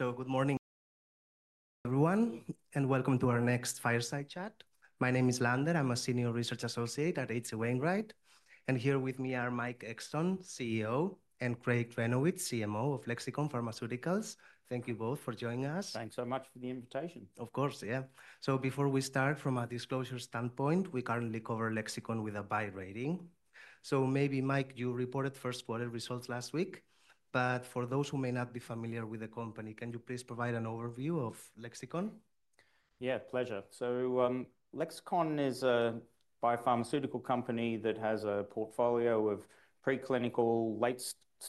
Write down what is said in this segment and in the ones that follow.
Good morning, everyone, and welcome to our next fireside-chat. My name is Lander, and I'm a Senior Research Associate at H.C. Wainwright. Joining me today are Mike Exton, CEO, and Craig Granowitz, CMO of Lexicon Pharmaceuticals. Thank you both for being here. Thanks so much for the invitation. Of course, yeah. Before we start, from a disclosure standpoint, we currently cover Lexicon with a Buy rating. Mike, you reported first-quarter results last week. For those who may not be familiar with the company, could you please provide an overview of Lexicon? Absolutely Lexicon is a biopharmaceutical company that has a portfolio of preclinical,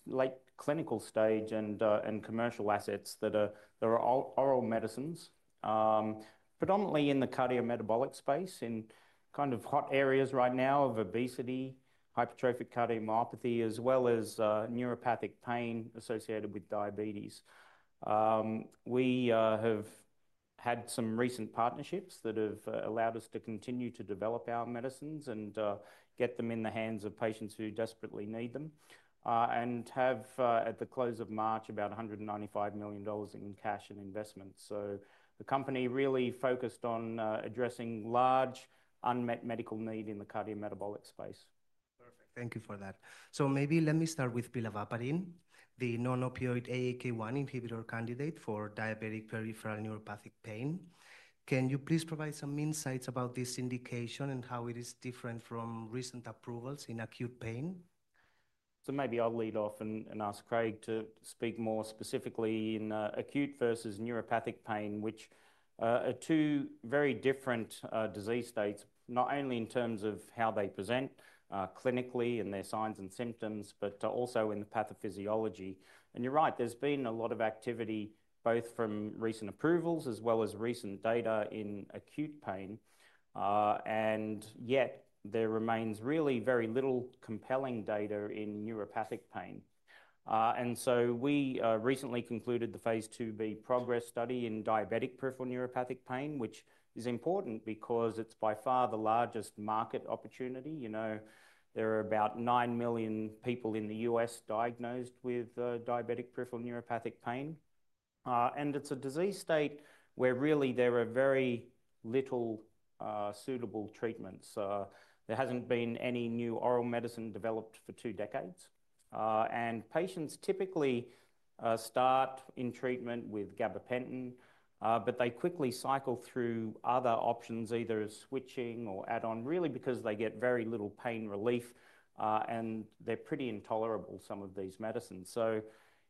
late-clinical-stage, and commercial assets that are oral medicines, predominantly in the cardiometabolic space—hot areas right now of obesity, hypertrophic cardiomyopathy, diabetes-associated with neuropathic pain. We have had some recent partnerships that have allowed us to continue to develop our medicines and getting them to the patients who desperately need them, and as of the close of March, about $195 million in cash and investment. The company really focused on addressing large unmet medical needs in the cardiometabolic space. Perfect. Thank you for that. Maybe let me start with pilavapadin, the non-opioid AAK1 inhibitor candidate for diabetic peripheral neuropathic pain. Can you please provide some insights about this indication and how it is different from recent approvals in acute pain? I'll lead off and ask Craig to speak more specifically on acute versus neuropathic pain, which are two very different disease states—not only in how they present clinically and their signs and symptoms, but also in the pathophysiology. You're right, there's been a lot of activity, both from recent approvals as well as recent data in acute pain. Yet there remains really very little compelling data in neuropathic pain. We recently concluded the Phase 2b PROGRESS study in diabetic peripheral neuropathic pain, which is important because it's by far the largest market opportunity—about 9 million people in the U.S. are diagnosed with diabetic peripheral neuropathic pain. This disease state has very few suitable treatments, and no new oral medicine has been developed in two decades. Patients typically start with gabapentin, but they quickly cycle through other options, either switching or add-on, due to limited pain relief and poor tolerability of existing medicines.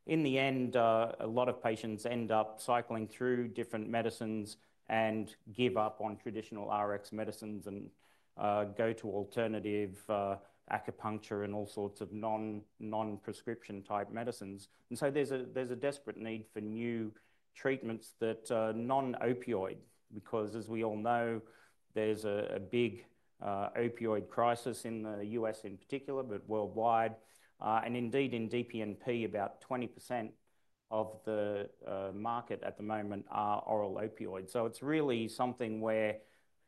Many patients end up cycling through different medicines and give up on traditional Rx medicines and seek alternative acupuncture and all sorts of non-prescription type medicines. There is a desperate need for new treatments that are non-opioid, there is a big opioid crisis in the U.S. in particular, but worldwide. Indeed, in DPNP, about 20% of the market at the moment are oral opioids. It is really something where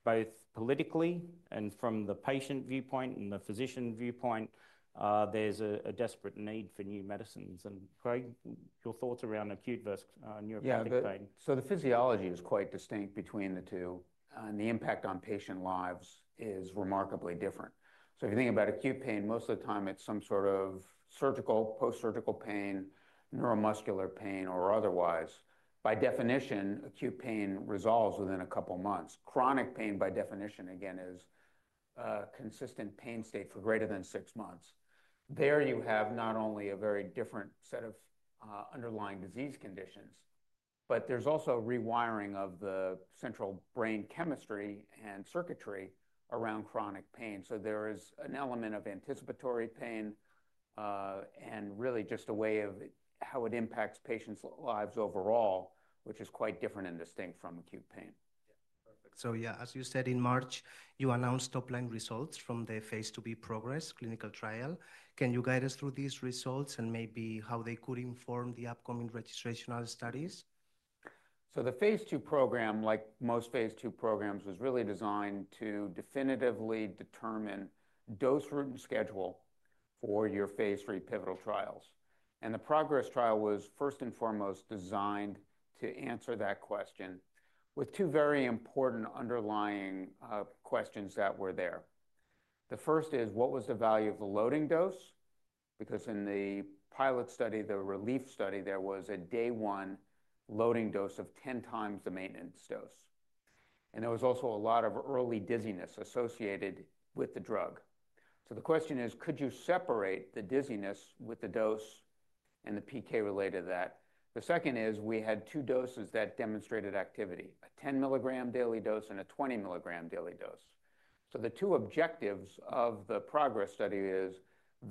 both politically and from the patient viewpoint and the physician viewpoint, there is a desperate need for new medicines. Craig, your thoughts around acute versus neuropathic pain? The physiology is distinctly different between acute and chronic pain, and the impact on patient lives is substantially different. Acute pain, most of the time it is some sort of surgical, post-surgical pain, neuromuscular pain, or otherwise. By definition, acute pain resolves within a couple of months. Chronic pain, by definition, again, is a consistent pain state for greater than six months. There you have not only a very different set of underlying disease conditions, but there is also rewiring of the central brain chemistry and circuitry around chronic pain. There is an element of anticipatory pain and really just a way of how it impacts patients' lives overall, which is quite different and distinct from acute pain. Yeah. As you mentioned, in March, you announced top-line results from the Phase 2b PROGRESS clinical trial. Could you guide us through these results and maybe how they could inform the upcoming registrational studies? The Phase 2 program, like most Phase 2 programs, was really designed to definitively determine dose, route, and schedule for your Phase 3 pivotal trials. The PROGRESS trial was first and foremost designed to answer that question with two very important underlying questions that were there. The first is, what was the value of the loading dose? In the pilot RELIEF study, the day-one loading dose was 10× the maintenance dose. There was also a lot of early dizziness associated with the drug. The question is, could you separate the dizziness with the dose and the PK-related to that? The second is, we had two doses that demonstrated activity, a 10 mg daily dose and a 20 mg daily dose. The two objectives of the PROGRESS study were to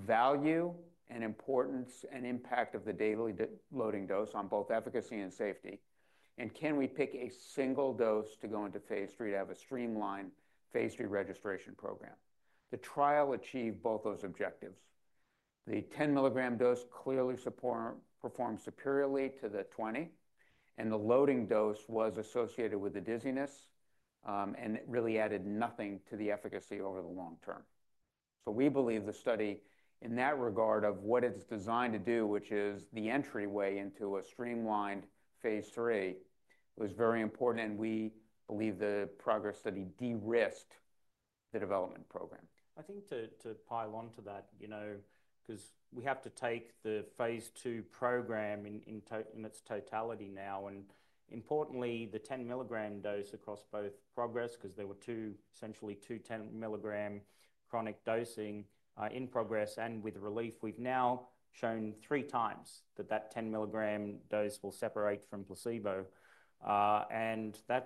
determine the impact of the daily loading dose on both efficacy and safety. Can we pick a single dose to go into Phase 3 to have a streamlined Phase 3 registration program? The trial achieved both those objectives. The 10 mg dose clearly performed superiorly to the 20, and the loading dose was associated with the dizziness and really added nothing to the efficacy over the long term. We believe the study in that regard of what it's designed to do, which is the entryway into a streamlined Phase 3, was very important. We believe the PROGRESS study de-risked the development program. I think to pile onto that, you know, because we have to take the Phase 2 program in its totality now. Importantly, the 10 mg dose across both PROGRESS, because there were two, essentially two 10 mg chronic dosing in PROGRESS and with RELIEF, we've now shown three times that that 10 mg dose will separate from placebo. That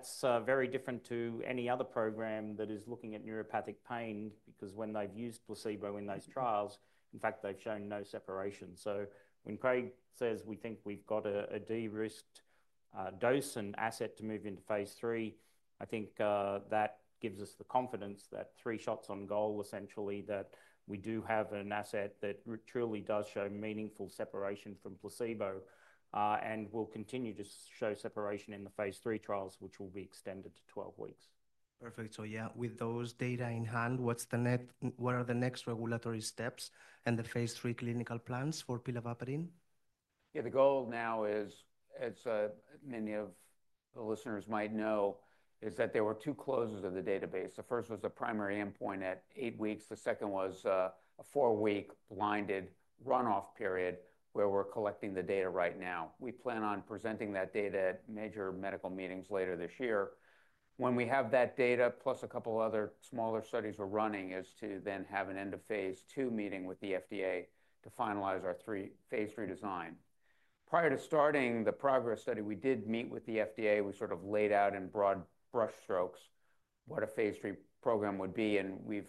is very different to any other program that is looking at neuropathic pain, because when they've used placebo in those trials, in fact, they've shown no separation. When Craig says we think we've got a de-risked dose and asset to move into Phase 3, I think that gives us the confidence that three shots on goal, essentially, that we do have an asset that truly does show meaningful separation from placebo and will continue to show separation in the phase 3 trials, which will be extended to 12 weeks. Excellent. With those data in hand, what are the next regulatory steps and the Phase 3 clinical plans for pilavapadin? The goal now, as many of the listeners might know, is that there were two database closes. The first was the primary endpoint at eight weeks. The second was a four-week blinded runoff period where we're collecting the data right now. We plan on presenting that data at major medical meetings later this year. When we have that data, plus a couple of other smaller studies we're running, is to then have an End-of-Phase 2 meeting with the FDA to finalize our Phase 3 design. Prior to starting the PROGRESS study, we did meet with the FDA. We sort of laid out in broad brushstrokes what a Phase 3 program would be. We've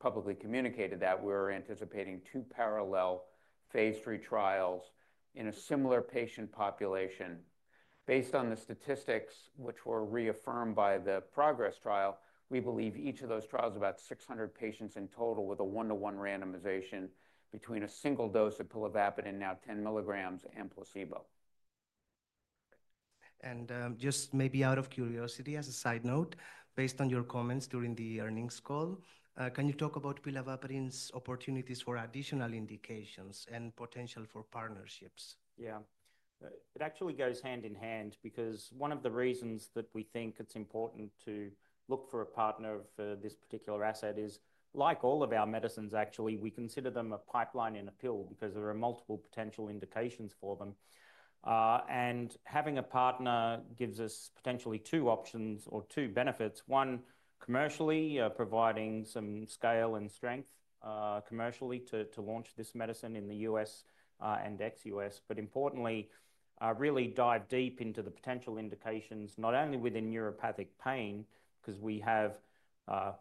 publicly communicated that we're anticipating two parallel Phase 3 trials in a similar patient population. Based on the statistics, which were reaffirmed by the PROGRESS trial, we believe each trials will enroll approximately 600 patients, with a 1:1 randomization between a single dose of pilavapadin (10 mg) and placebo. Just maybe out of curiosity, as a side note, based on your comments during the earnings call, can you talk about pilavapadin's opportunities for additional indications and partnerships potential? One reasons it's important to look for a partner for this particular asset is, like all of our medicines, actually, we consider them a pipeline in a pill because there are multiple potential indications for them. Having a partner gives us potentially two options or two benefits. One, commercially, providing some scale and strength commercially to launch this medicine in the U.S. and ex-U.S. Importantly, really dive deep into the potential indications, not only within neuropathic pain, because we have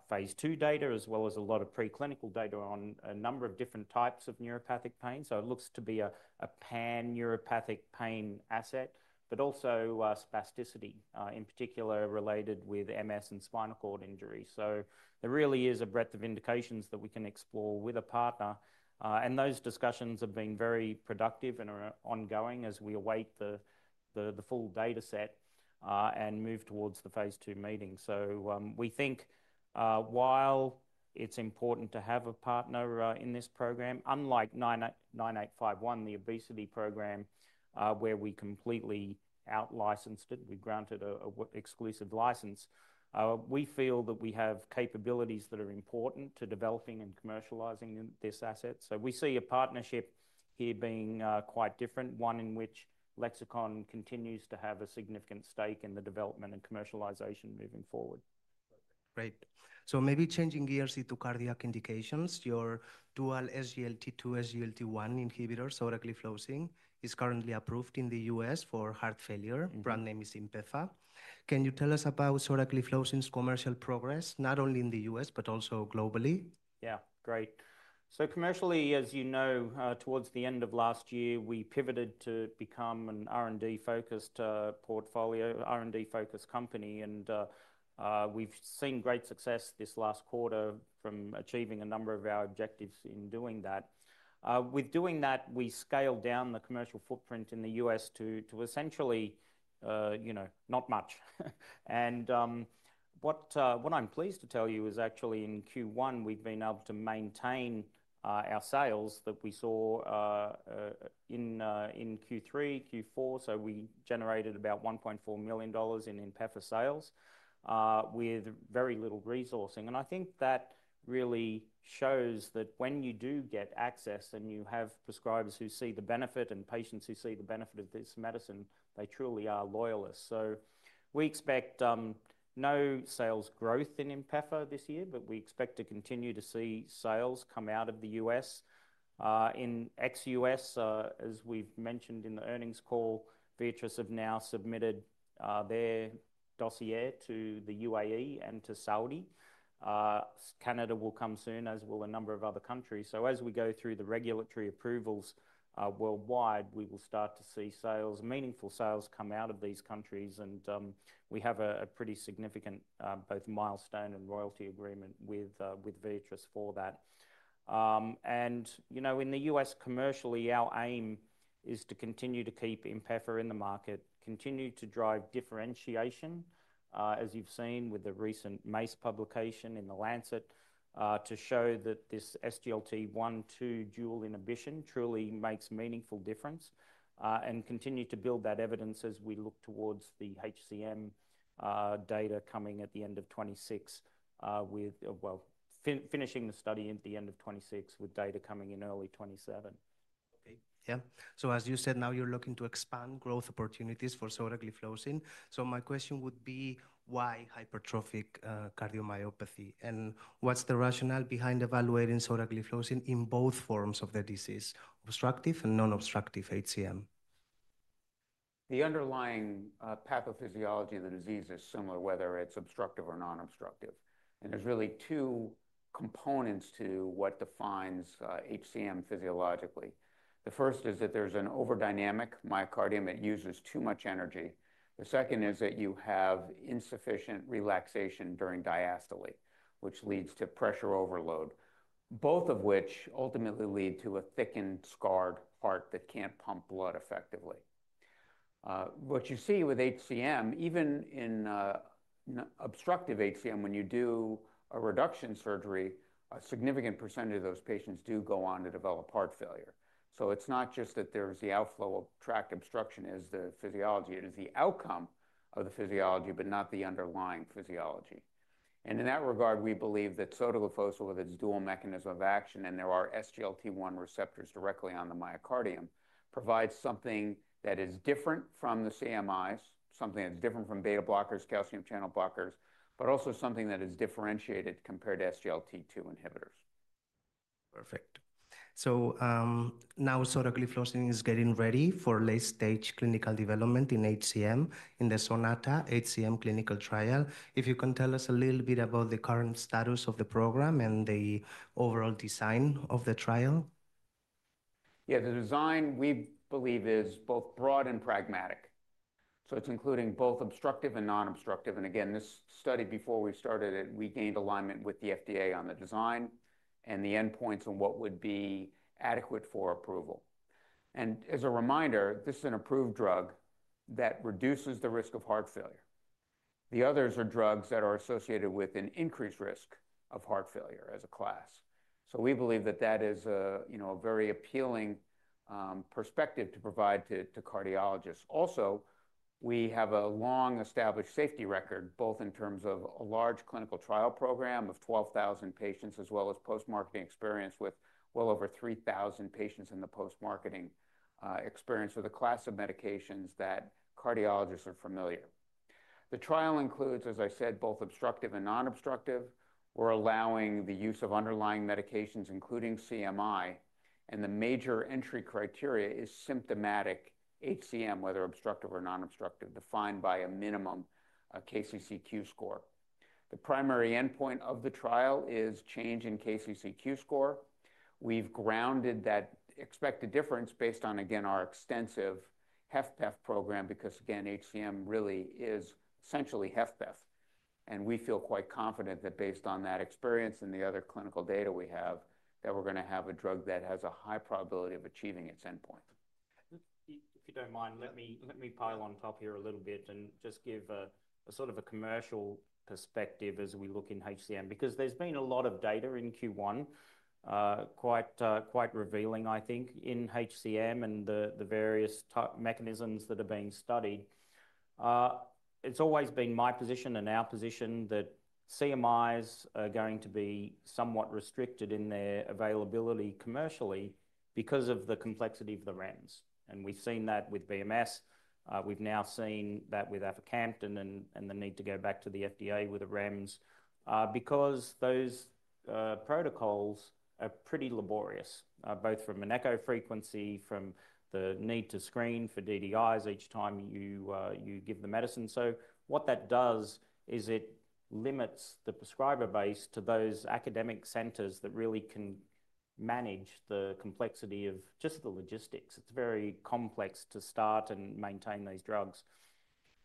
Phase 2 data as well as a lot of preclinical data on a number of different types of neuropathic pain. It looks to be a pan-neuropathic pain asset, but also spasticity, particularly related to MS and spinal cord injury. There really is a breadth of indications that we can explore with a partner. Those discussions have been very productive and are ongoing as we await the full data set and move towards the Phase 2 meeting. We think while it is important to have a partner in this program, unlike 9851 (the obesity program), where we completely out-licensed it, we granted an exclusive license, we feel that we have capabilities that are important to developing and commercializing this asset. We see a partnership here being quite different, one in which Lexicon continues to have a significant stake in the development and commercialization moving forward. Great. Changing gears into cardiac indications. Your dual SGLT2/SGLT1 inhibitor, sotagliflozin, is currently approved in the U.S. for heart failure (brand name is INPEFA). Can you tell us about sotagliflozin's commercial progress, both in the U.S., and globally? Yeah, great. Commercially, as you know, towards the end of last year, we pivoted to become an R&D-focused company. We have seen great success this last quarter from achieving a number of our objectives in doing that. With doing that, we scaled down the commercial footprint in the U.S. to essentially, you know, not much. What I'm pleased to tell you is actually in Q1, we have been able to maintain our sales that we saw in Q3, Q4. We generated about $1.4 million in INPEFA sales with very little resourcing. I think that really shows that when you do get access and you have prescribers who see the benefit and patients who see the benefit of this medicine, they truly are loyalists. We expect no sales growth in INPEFA this year, but we expect to continue to see sales come out of the U.S. In ex-U.S., as we have mentioned in the earnings call, Biatris have submitted their dossier to the UAE and to Saudi Arabia, with Canada and other countries to follow. As we go through the regulatory approvals worldwide, we will start to see sales, meaningful sales, come out of these countries. We have a pretty significant both milestone and royalty agreement with Biatris for that. You know, in the U.S., our aim is to keep INPEFA in the market, continue to drive differentiation, as you've seen with the recent MACE publication in The Lancet, to show that this SGLT1/SGLT2 dual inhibition truly makes a meaningful difference and continue to build that evidence as we look towards the HCM data at the end of 2026, finishing the study at the end of 2026 with data coming in early 2027. Okay. As you said, now you're looking to expand growth opportunities for sotagliflozin. My question: why hypertrophic cardiomyopathy? What's the rationale behind evaluating sotagliflozin in both forms of the disease, obstructive and non-obstructive HCM? The underlying pathophysiology of the disease is similar, whether it's obstructive or non-obstructive. There are really two components to what defines HCM physiologically. The first is that there's an overdynamic myocardium that uses too much energy. The second is that you have insufficient relaxation during diastole, which leads to pressure overload, both of which ultimately lead to a thickened scarred heart that can't pump blood effectively. What you see with HCM, even in obstructive HCM, when you do a reduction surgery, a significant percentage of those patients do go on to develop heart failure. It is not just that there's the outflow tract obstruction as the physiology. It is the outcome of the physiology, but not the underlying physiology. In that regard, we believe that sotagliflozin, with its dual mechanism of action, and there are SGLT1 receptors directly on the myocardium, provides something that is different from the CMIs, something that's different from beta blockers, calcium channel blockers, but also something that is differentiated compared to SGLT2 inhibitors. So now sotagliflozin is getting ready for late-stage clinical development in HCM in the Sonata HCM clinical trial. Can you tell us about the current status and overall design of the trial. The trial design is broad and pragmatic, including both obstructive and non-obstructive. Again, this study before we started it, we gained alignment with the FDA on the design and the endpoints and what would be adequate for approval. As a reminder, this is an approved drug that reduces the risk of heart failure. The others are drugs that are associated with an increased risk of heart failure as a class. We believe that that is a very appealing perspective to provide to cardiologists. Also, we have a long-established safety record, both in terms of a large clinical trial program (12,000 patients), as well as post-marketing experience (3,000 patients ) in the post-marketing experience with a class of medications that cardiologists are familiar with. The trial includes, as I said, both obstructive and non-obstructive. We're allowing the use of underlying medications, including CMI, and the major entry criteria is symptomatic HCM, whether obstructive or non-obstructive, defined by a minimum KCCQ score. The primary endpoint of the trial is change in KCCQ score. We've grounded that expected difference based on, again, our extensive HFpEF program, because again, HCM really is essentially HFpEF. We feel quite confident that based on that experience and the other clinical data we have, that we're going to have a drug that has a high probability of achieving its endpoint. Commercial perspective as we look in HCM, because there's been a lot of data in Q1, quite revealing, I think, in HCM and the various mechanisms that are being studied. It's always been my position and our position that CMIs are going to be somewhat restricted in their availability commercially because of the complexity of the REMS. We've seen that with BMS. We've now seen that with afacamtan and the need to go back to the FDA with the REMS, because those protocols are pretty laborious, both from an echo frequency, from the need to screen for DDIs each time you give the medicine. What that does is it limits the prescriber base to those academic centers that really can manage the complexity of just the logistics. It's very complex to start and maintain these drugs.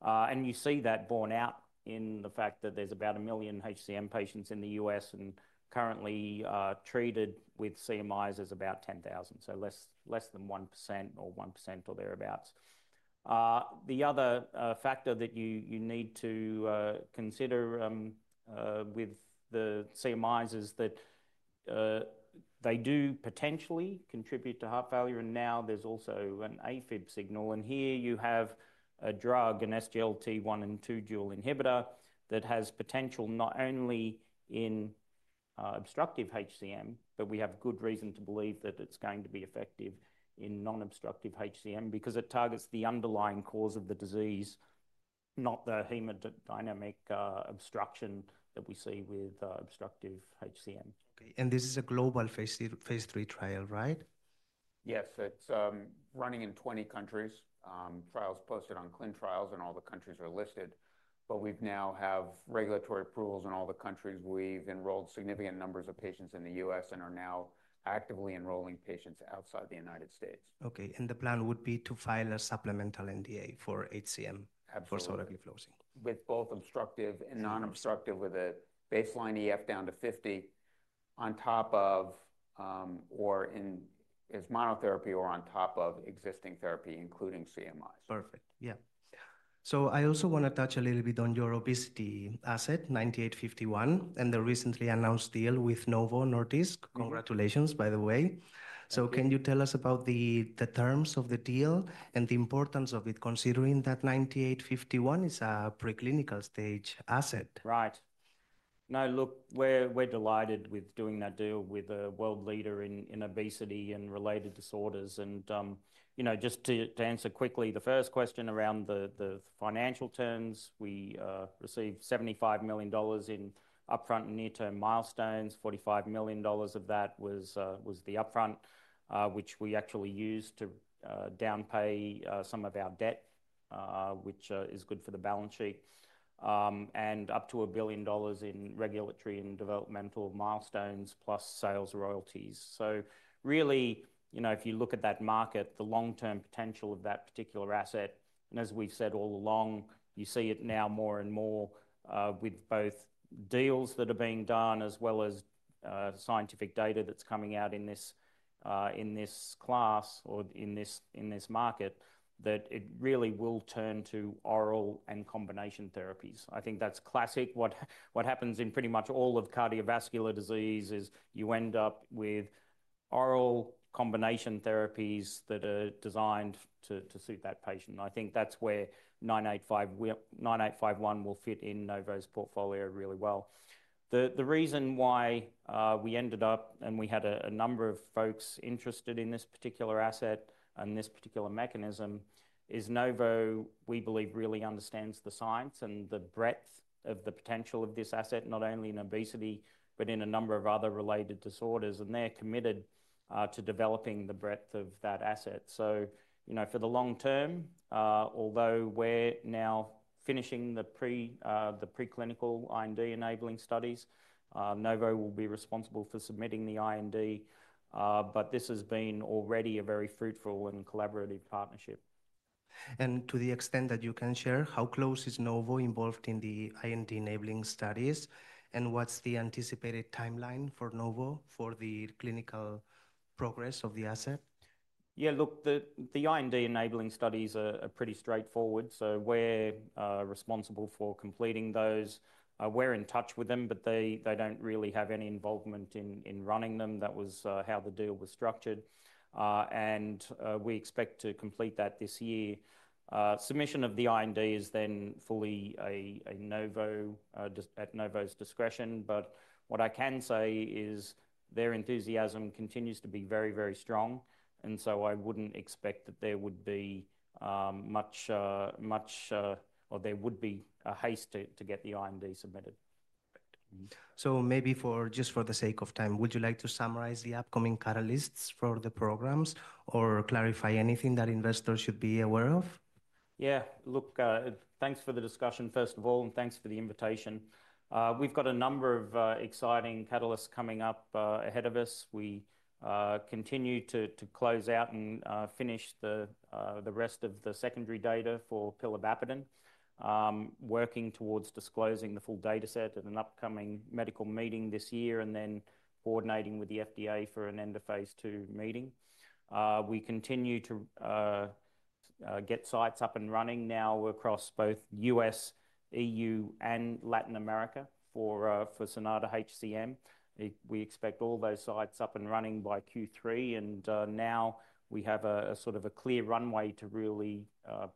You see that borne out in the fact that there's about a million HCM patients in the U.S. and currently treated with CMIs is about 10,000, so less than 1% or 1% or thereabouts. The other factor that you need to consider with the CMIs is that they do potentially contribute to heart failure. Now there's also an AFib signal. Here you have a drug, an SGLT1 and 2 dual inhibitor that has potential not only in obstructive HCM, but we have good reason to believe that it's going to be effective in non-obstructive HCM because it targets the underlying cause of the disease, not the hemodynamic obstruction that we see with obstructive HCM. Okay. And this is a global phase 3 trial, right? Yes. Running in 20 countries, posted on CLINICALTrials.gov. and all the countries are listed. We now have regulatory approvals in all the countries. We've enrolled significant numbers of patients in the U.S. and are now actively enrolling patients outside the U.S. Okay. And the plan would be to file a supplemental NDA for HCM for sotagliflozin? Absolutely. With both obstructive and non-obstructive with a baseline EF down to 50 on top of, or in as monotherapy or on top of existing therapy, including CMIs. Perfect. I also want to touch a little bit on your obesity asset, 9851, and the recently announced deal with Novo Nordisk. Congratulations, by the way. Can you tell us about the terms of the deal and the importance of it, considering that 9851 is a preclinical stage asset? Right. No, look, we're delighted with doing that deal with a world leader in obesity and related disorders. And just to answer quickly, the first question around the financial terms, we received $75 million in upfront and near-term milestones. $45 million of that was the upfront, which we actually used to downpay some of our debt, which is good for the balance sheet, and up to $1 billion in regulatory and developmental milestones, plus sales royalties. So really, if you look at that market, the long-term potential of that particular asset, and as we've said all along, you see it now more and more with both deals that are being done as well as scientific data that's coming out in this class or in this market, that it really will turn to oral and combination therapies. I think that's classic. What happens in pretty much all of cardiovascular disease is you end up with oral combination therapies that are designed to suit that patient. I think that's where 9851 will fit in Novo's portfolio really well. The reason why we ended up and we had a number of folks interested in this particular asset and this particular mechanism is Novo, we believe, really understands the science and the breadth of the potential of this asset, not only in obesity, but in a number of other related disorders. They're committed to developing the breadth of that asset. For the long term, although we're now finishing the preclinical IND enabling studies, Novo will be responsible for submitting the IND. This has been already a very fruitful and collaborative partnership. To the extent that you can share, how close is Novo involved in the IND enabling studies? What's the anticipated timeline for Novo for the clinical progress of the asset? The IND enabling studies are pretty straightforward. We're responsible for completing those. We're in touch with them, but they do not really have any involvement in running them. That was how the deal was structured. We expect to complete that this year. Submission of the IND is then fully at Novo's discretion. What I can say is their enthusiasm continues to be very, very strong. I would not expect that there would be much, or there would be a haste to get the IND submitted. Maybe just for the sake of time, would you like to summarize the upcoming catalysts for the programs or clarify anything that investors should be aware of? Thanks for the discussion, first of all, and thanks for the invitation. We've got a number of exciting catalysts coming up ahead of us. We continue to close out and finish the rest of the secondary data for pilavapadin, working towards disclosing the full dataset at an upcoming medical meeting this year and then coordinating with the FDA for an end of phase two meeting. We continue to get sites up and running now across both U.S., EU, and Latin America for Sonata HCM. We expect all those sites up and running by Q3. We have a sort of a clear runway to really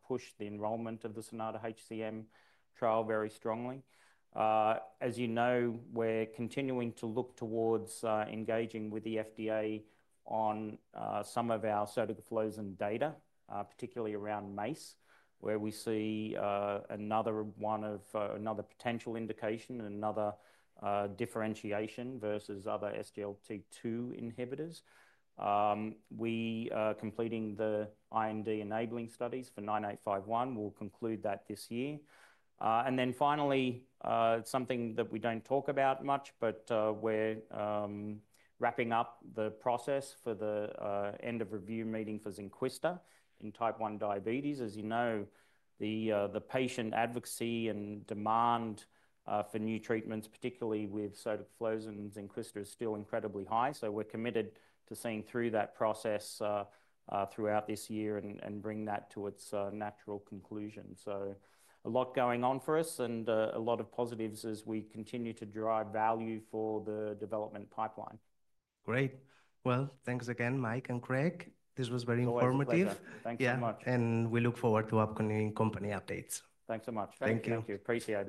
push the enrollment of the Sonata HCM trial very strongly. We're continuing to look towards engaging with the FDA on some of our sotagliflozin data, particularly around MACE, where we see another potential indication and another differentiation versus other SGLT2 inhibitors. We are completing the IND enabling studies for 9851. We'll conclude that this year. Finally, something that we don't talk about much, but we're wrapping up the process for the end of review meeting for Zynquista in type 1 diabetes. As you know, the patient advocacy and demand for new treatments, particularly with sotagliflozin, Zynquista is still incredibly high. We're committed to seeing through that process throughout this year and bring that to its natural conclusion. A lot going on for us and a lot of positives as we continue to drive value for the development pipeline. Great. Thanks again, Mike and Craig. This was very informative. Thanks so much. We look forward to upcoming company updates. Thanks so much. Thank you. Thank you. Appreciate it.